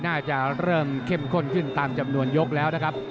น่าจะเริ่มเข้มข้นขึ้นตามจำนวนยกแล้วนะครับ